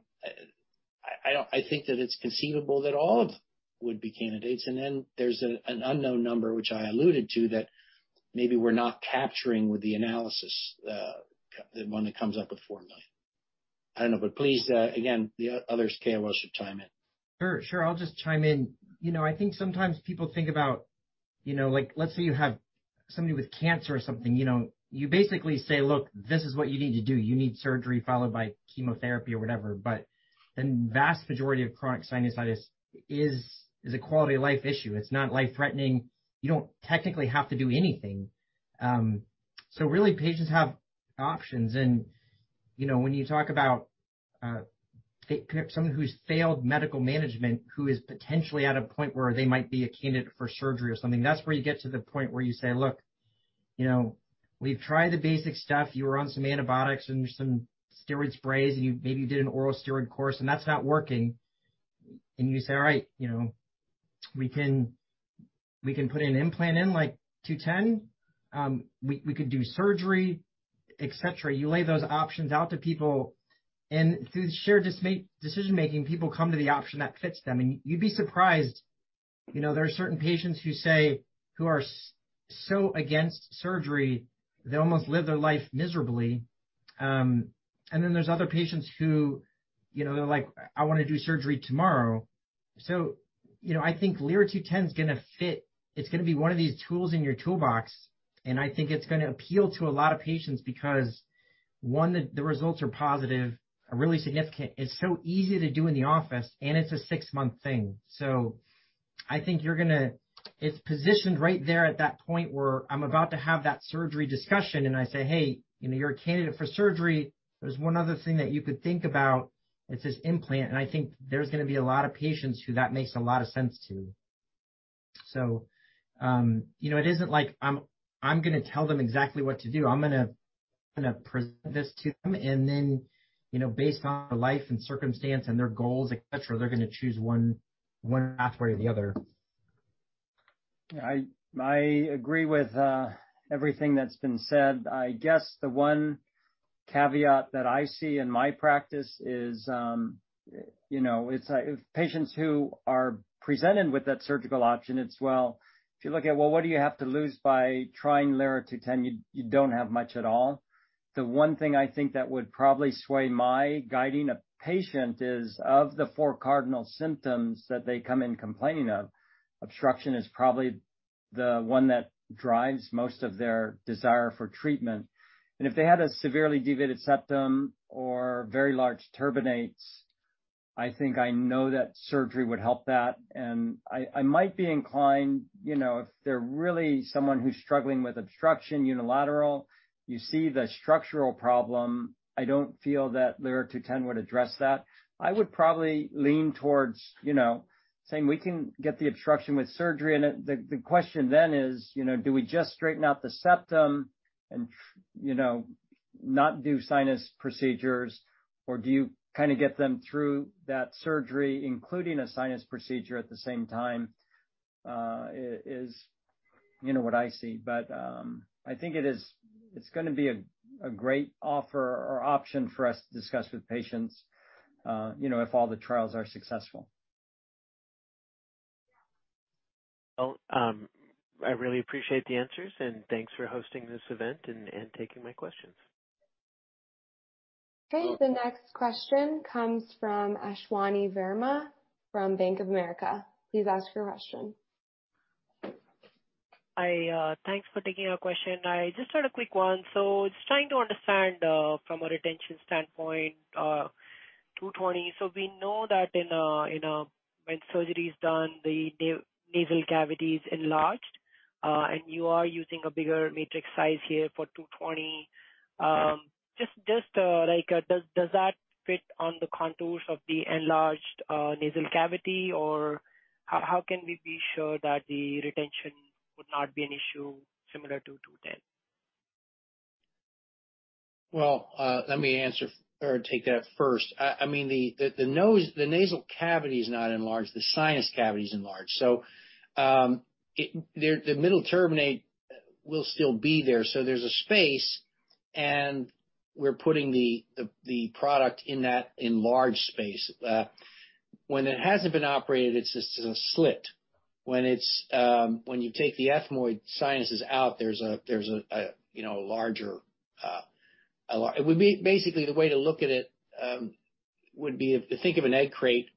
I think that it's conceivable that all of them would be candidates. Then there's an unknown number which I alluded to that maybe we're not capturing with the analysis, the one that comes up with four million. I don't know. Please, again, the others, KOLs should chime in. Sure, I'll just chime in. You know, I think sometimes people think about, you know, like, let's say you have somebody with cancer or something. You know, you basically say, "Look, this is what you need to do. You need surgery followed by chemotherapy or whatever." The vast majority of chronic sinusitis is a quality of life issue. It's not life-threatening. You don't technically have to do anything. So really, patients have options. You know, when you talk about someone who's failed medical management, who is potentially at a point where they might be a candidate for surgery or something, that's where you get to the point where you say, "Look, you know, we've tried the basic stuff. You were on some antibiotics and some steroid sprays, and you maybe did an oral steroid course, and that's not working." You say, "All right, you know, we can, we can put an implant in, like 210. We could do surgery, et cetera." You lay those options out to people, and through shared decision-making, people come to the option that fits them. You'd be surprised, you know, there are certain patients who are so against surgery, they almost live their life miserably. Then there's other patients who, you know, they're like, "I wanna do surgery tomorrow." You know, I think LYRA-210 is gonna fit. It's gonna be one of these tools in your toolbox, and I think it's gonna appeal to a lot of patients because, one, the results are positive, are really significant. It's so easy to do in the office, and it's a six-month thing. I think it's positioned right there at that point where I'm about to have that surgery discussion, and I say, "Hey, you know, you're a candidate for surgery. There's one other thing that you could think about. It's this implant." I think there's gonna be a lot of patients who that makes a lot of sense to. You know, it isn't like I'm gonna tell them exactly what to do. I'm gonna present this to them, and then, you know, based on their life and circumstance and their goals, et cetera, they're gonna choose one pathway or the other. I agree with everything that's been said. I guess the one caveat that I see in my practice is, you know, if patients who are presented with that surgical option, what do you have to lose by trying LYR-210? You don't have much at all. The one thing I think that would probably sway my guiding a patient is, of the four cardinal symptoms that they come in complaining of, obstruction is probably the one that drives most of their desire for treatment. If they had a severely deviated septum or very large turbinates, I think I know that surgery would help that, and I might be inclined, you know, if they're really someone who's struggling with obstruction, unilateral, you see the structural problem. I don't feel that LYR-210 would address that. I would probably lean towards, you know, saying we can get the obstruction with surgery. The question then is, you know, do we just straighten out the septum and, you know, not do sinus procedures, or do you kinda get them through that surgery, including a sinus procedure at the same time? Is, you know, what I see. I think it's gonna be a great offer or option for us to discuss with patients, you know, if all the trials are successful. Well, I really appreciate the answers, and thanks for hosting this event and taking my questions. Okay. The next question comes from Ashwani Verma from Bank of America. Please ask your question. Thanks for taking our question. I just had a quick one. Just trying to understand from a retention standpoint 220. We know that when surgery is done, the nasal cavity is enlarged. You are using a bigger matrix size here for 220. Just like does that fit on the contours of the enlarged nasal cavity? Or how can we be sure that the retention would not be an issue similar to 210? Well, let me answer or take that first. I mean, the nose, the nasal cavity is not enlarged, the sinus cavity is enlarged. The middle meatus will still be there. So there's a space, and we're putting the product in that enlarged space. When it hasn't been operated, it's just a slit. When you take the ethmoid sinuses out, there's a larger space. It would be basically the way to look at it if you think of an egg crate,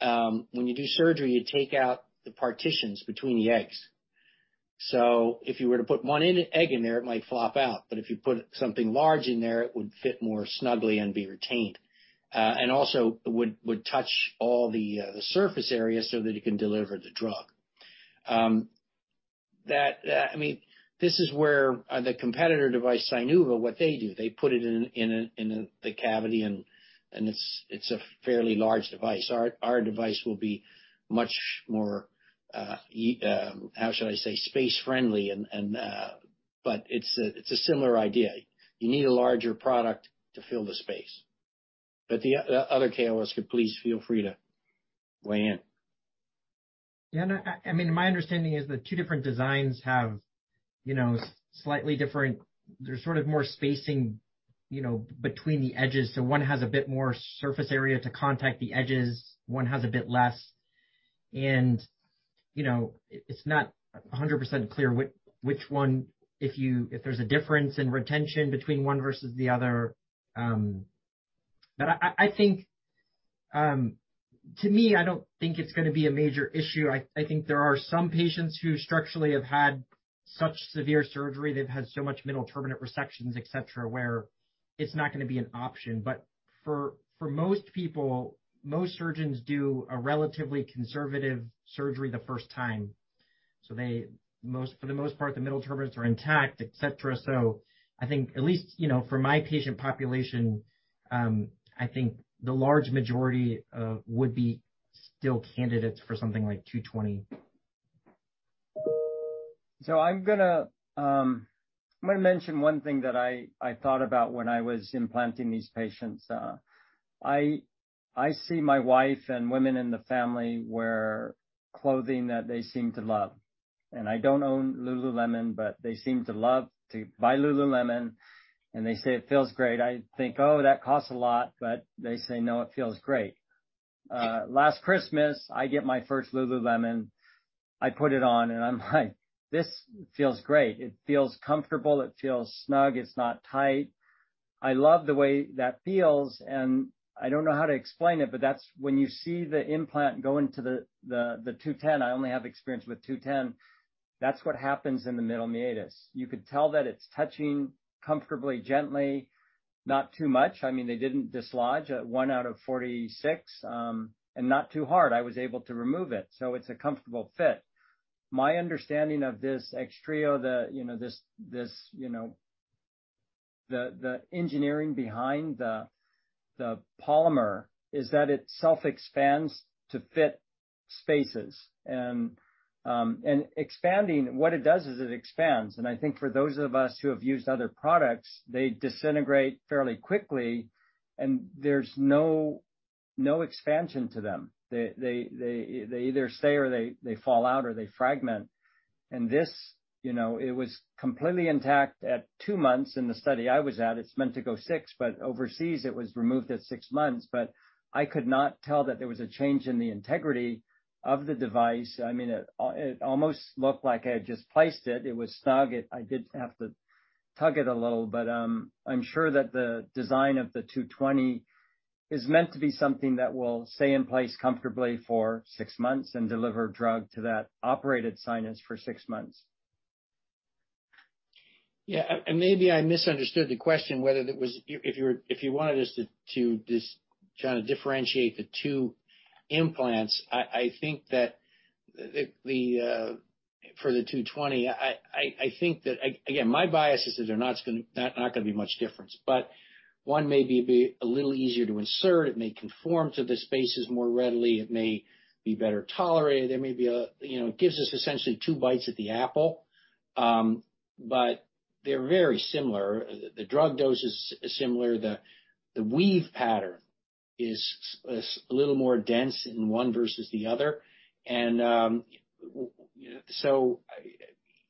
when you do surgery, you take out the partitions between the eggs. So if you were to put one egg in there, it might flop out, but if you put something large in there, it would fit more snugly and be retained. It would touch all the surface area so that it can deliver the drug. I mean, this is where the competitor device, SINUVA, what they do, they put it in a cavity and it's a fairly large device. Our device will be much more how should I say? Space-friendly and but it's a similar idea. You need a larger product to fill the space. The other KOLs could please feel free to weigh in. Yeah. No, I mean, my understanding is the two different designs have you know slightly different. They're sort of more spacing you know between the edges. One has a bit more surface area to contact the edges, one has a bit less. You know, it's not 100% clear which one if there's a difference in retention between one versus the other. But I think to me, I don't think it's gonna be a major issue. I think there are some patients who structurally have had such severe surgery. They've had so much middle turbinate resections, et cetera, where it's not gonna be an option. But for most people, most surgeons do a relatively conservative surgery the first time. For the most part, the middle turbinates are intact, et cetera. I think at least, you know, for my patient population, I think the large majority would be still candidates for something like LYR-220. I'm gonna mention one thing that I thought about when I was implanting these patients. I see my wife and women in the family wear clothing that they seem to love. I don't own Lululemon, but they seem to love to buy Lululemon, and they say it feels great. I think, "Oh, that costs a lot." They say, "No, it feels great." Last Christmas, I get my first Lululemon. I put it on and I'm like, "This feels great." It feels comfortable, it feels snug, it's not tight. I love the way that feels, and I don't know how to explain it, but that's when you see the implant go into the LYR-210. I only have experience with LYR-210, that's what happens in the middle meatus. You could tell that it's touching comfortably, gently, not too much. I mean, they didn't dislodge at 1 out of 46, and not too hard. I was able to remove it, so it's a comfortable fit. My understanding of this XTReo, you know, this, you know, the engineering behind the polymer is that it self-expands to fit spaces. Expanding, what it does is it expands. I think for those of us who have used other products, they disintegrate fairly quickly, and there's no expansion to them. They either stay, or they fall out, or they fragment. This, you know, it was completely intact at two months in the study I was at. It's meant to go six, but overseas it was removed at six months. I could not tell that there was a change in the integrity of the device. I mean, it almost looked like I had just placed it. It was snug. I did have to tug it a little, but I'm sure that the design of the 220 is meant to be something that will stay in place comfortably for six months and deliver drug to that operated sinus for six months. Maybe I misunderstood the question whether it was if you wanted us to try to differentiate the two implants. I think that for the 220, I think that again, my bias is that they're not gonna be much difference, but one may be a bit a little easier to insert, it may conform to the spaces more readily, it may be better tolerated. There may be a, you know, it gives us essentially two bites at the apple, but they're very similar. The drug dose is similar. The weave pattern is a little more dense in one versus the other. So,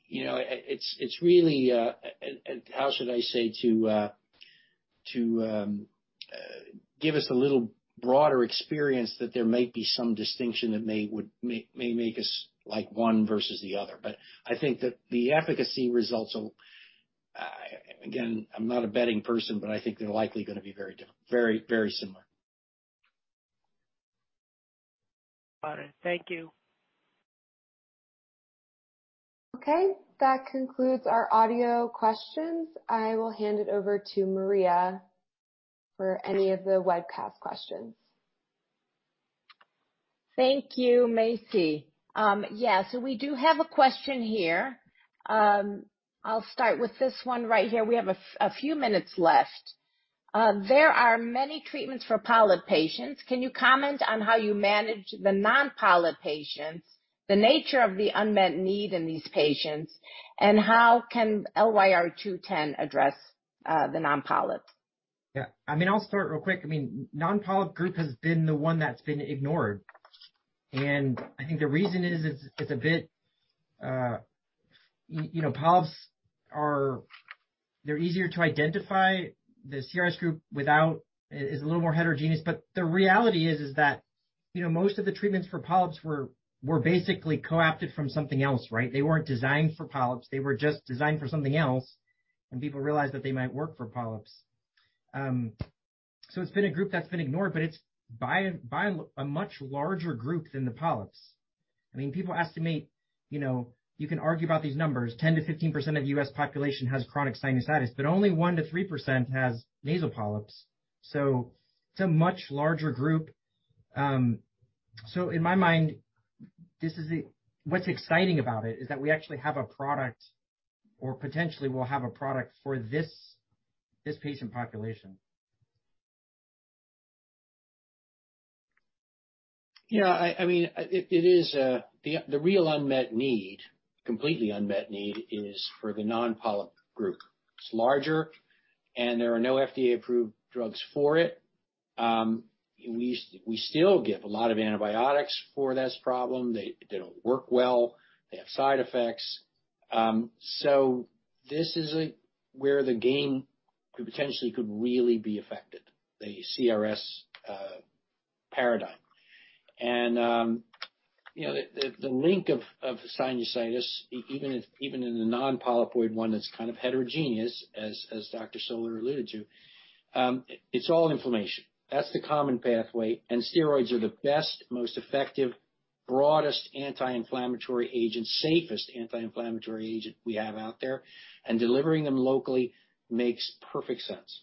you know, it's really how should I say? To give us a little broader experience that there might be some distinction that may make us like one versus the other. I think that the efficacy results will, again, I'm not a betting person, but I think they're likely gonna be very different, very similar. Got it. Thank you. Okay. That concludes our audio questions. I will hand it over to Maria for any of the webcast questions. Thank you, Macy. Yeah so we do have a question here. I'll start with this one right here. We have a few minutes left. There are many treatments for polyp patients. Can you comment on how you manage the non-polyp patients, the nature of the unmet need in these patients, and how LYR-210 can address the non-polyp? Yeah. I mean, I'll start real quick. I mean, non-polyp group has been the one that's been ignored. I think the reason is it's a bit, you know, polyps are. They're easier to identify. The CRS group without is a little more heterogeneous, but the reality is that, you know, most of the treatments for polyps were basically co-opted from something else, right? They weren't designed for polyps. They were just designed for something else, and people realized that they might work for polyps. It's been a group that's been ignored, but it's by a much larger group than the polyps. I mean, people estimate, you know, you can argue about these numbers. 10%-15% of the U.S. population has chronic sinusitis, but only 1%-3% has nasal polyps, so it's a much larger group. In my mind, this is what's exciting about it is that we actually have a product or potentially will have a product for this patient population. You know, I mean, it is the real unmet need, completely unmet need is for the non-polyp group. It's larger, and there are no FDA-approved drugs for it. We still give a lot of antibiotics for this problem. They don't work well. They have side effects. This is where the game could potentially really be affected, the CRS paradigm. You know, the link of sinusitis even if, even in the non-polypoid one that's kind of heterogeneous as Dr. Soler alluded to, it's all inflammation. That's the common pathway. Steroids are the best, most effective, broadest anti-inflammatory agent, safest anti-inflammatory agent we have out there. Delivering them locally makes perfect sense.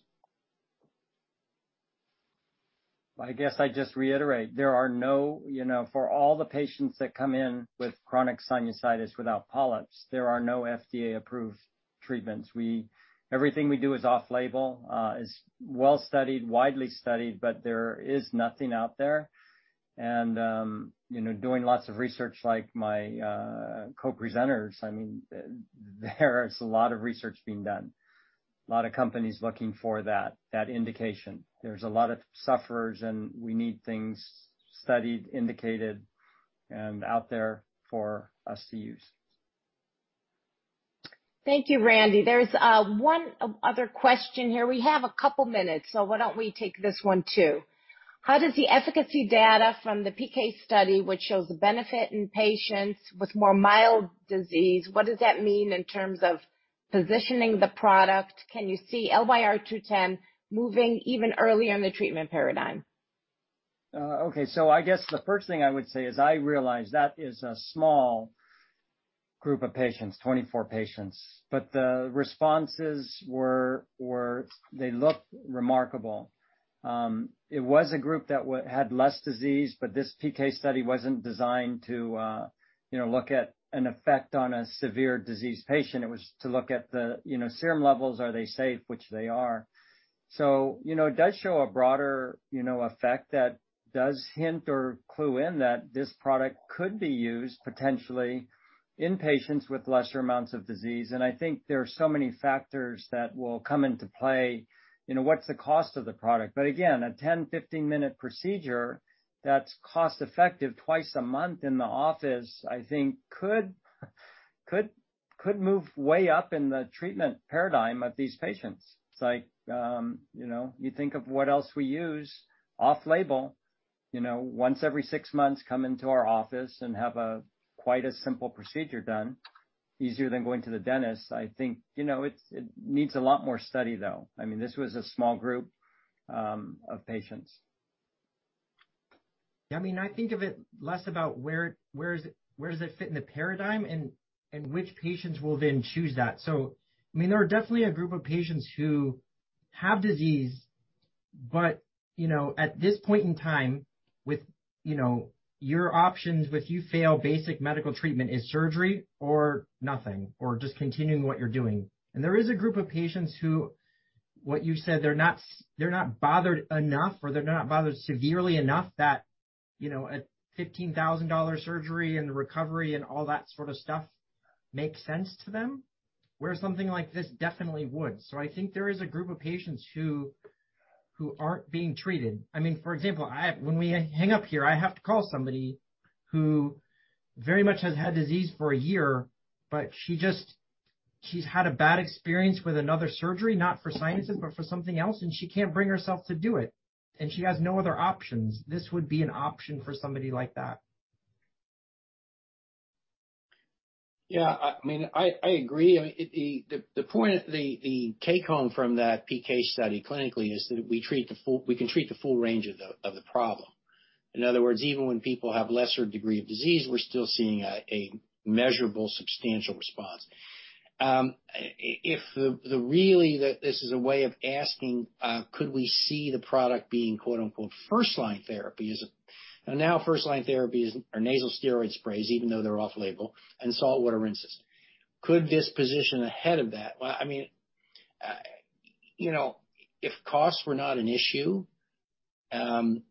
I guess I just reiterate. There are no, you know, for all the patients that come in with chronic sinusitis without polyps, there are no FDA-approved treatments. Everything we do is off-label, is well-studied, widely studied, but there is nothing out there. You know, doing lots of research like my co-presenters, I mean, there is a lot of research being done. A lot of companies looking for that indication. There's a lot of sufferers, and we need things studied, indicated, and out there for us to use. Thank you, Randy. There's one other question here. We have a couple minutes, so why don't we take this one too? How does the efficacy data from the PK study which shows the benefit in patients with more mild disease, what does that mean in terms of positioning the product? Can you see LYR-210 moving even earlier in the treatment paradigm? Okay. I guess the first thing I would say is I realize that is a small group of patients, 24 patients. But the responses were remarkable. It was a group that had less disease, but this PK study wasn't designed to, you know, look at an effect on a severely diseased patient. It was to look at the, you know, serum levels, are they safe? Which they are. You know, it does show a broader, you know, effect that does hint or clue in that this product could be used potentially in patients with lesser amounts of disease. I think there are so many factors that will come into play. You know, what's the cost of the product? Again, a 10, 15 minute procedure that's cost-effective twice a month in the office, I think could move way up in the treatment paradigm of these patients. It's like, you know, you think of what else we use off-label. You know, once every six months, come into our office and have a quite simple procedure done, easier than going to the dentist. I think, you know, it needs a lot more study, though. I mean, this was a small group of patients. I mean, I think of it less about where it is, where it fits in the paradigm and which patients will then choose that. I mean, there are definitely a group of patients who have disease but, you know, at this point in time with, you know, your options if you fail basic medical treatment is surgery or nothing or just continuing what you're doing. There is a group of patients who, what you said, they're not they're not bothered enough, or they're not bothered severely enough that, you know, a $15,000 surgery and the recovery and all that sort of stuff makes sense to them, where something like this definitely would. I think there is a group of patients who aren't being treated. I mean, for example, when we hang up here, I have to call somebody who very much has had disease for a year, but she's had a bad experience with another surgery, not for sinuses, but for something else, and she can't bring herself to do it. She has no other options. This would be an option for somebody like that. Yeah. I mean, I agree. I mean, the point, the take-home from that PK study clinically is that we can treat the full range of the problem. In other words, even when people have lesser degree of disease, we're still seeing a measurable, substantial response. If really this is a way of asking, could we see the product being quote-unquote first-line therapy? Now first-line therapy is nasal steroid sprays, even though they're off-label, and saltwater rinses. Could this position ahead of that? You know, if costs were not an issue, and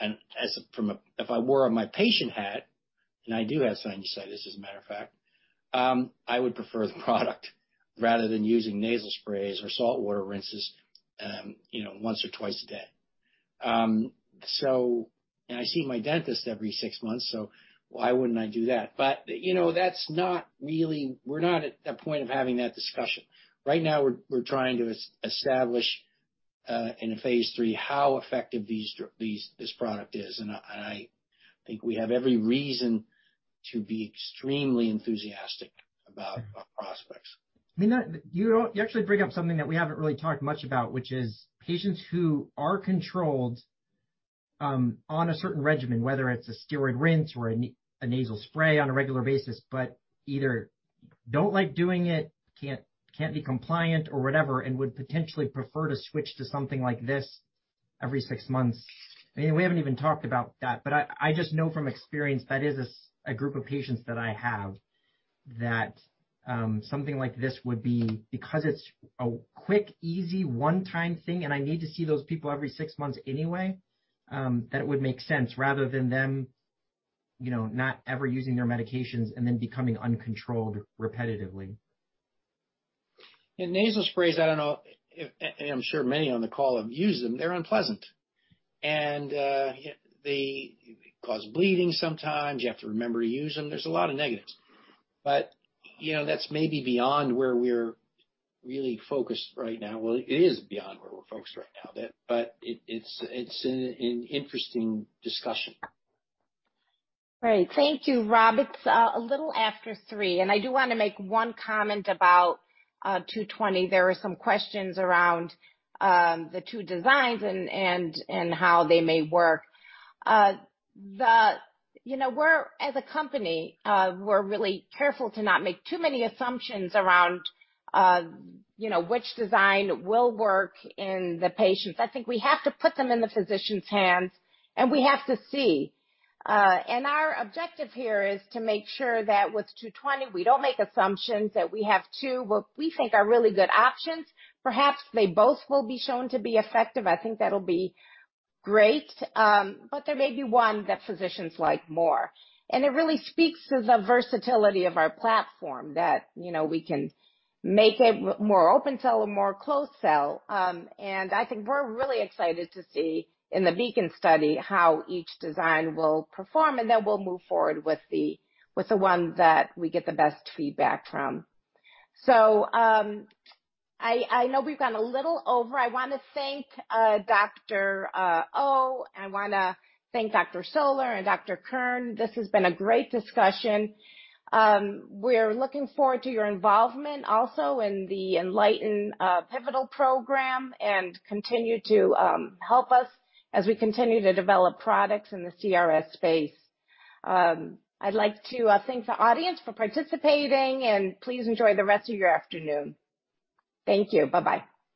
if I wore my patient hat, and I do have sinusitis, as a matter of fact, I would prefer the product rather than using nasal sprays or saltwater rinses, you know, once or twice a day. And I see my dentist every six months, so why wouldn't I do that? But, you know, that's not really we're not at that point of having that discussion. Right now, we're trying to establish, in a phase III, how effective this product is. I think we have every reason to be extremely enthusiastic about our prospects. I mean, you actually bring up something that we haven't really talked much about, which is patients who are controlled on a certain regimen, whether it's a steroid rinse or a nasal spray on a regular basis, but either don't like doing it, can't be compliant or whatever, and would potentially prefer to switch to something like this every six months. I mean, we haven't even talked about that, but I just know from experience that is a group of patients that I have that something like this would be because it's a quick, easy one-time thing, and I need to see those people every six months anyway, that it would make sense rather than them, you know, not ever using their medications and then becoming uncontrolled repetitively. Yeah, nasal sprays, and I'm sure many on the call have used them. They're unpleasant. They cause bleeding sometimes. You have to remember to use them. There's a lot of negatives. You know, that's maybe beyond where we're really focused right now. Well, it is beyond where we're focused right now. It's an interesting discussion. Great, thank you, Robert. It's a little after three, and I do wanna make one comment about LYR-220. There were some questions around the two designs and how they may work. You know, as a company, we're really careful to not make too many assumptions around you know which design will work in the patients. I think we have to put them in the physician's hands, and we have to see. Our objective here is to make sure that with LYR-220, we don't make assumptions, that we have two what we think are really good options. Perhaps they both will be shown to be effective. I think that'll be great. But there may be one that physicians like more. It really speaks to the versatility of our platform that, you know, we can make it more open cell or more closed cell. I think we're really excited to see in the BEACON study how each design will perform, and then we'll move forward with the one that we get the best feedback from. I know we've gone a little over. I want to thank Dr. Ow. I want to thank Dr. Soler and Dr. Kern. This has been a great discussion. We're looking forward to your involvement also in the ENLIGHTEN pivotal program and continue to help us as we continue to develop products in the CRS space. I'd like to thank the audience for participating, and please enjoy the rest of your afternoon. Thank you. Bye-bye.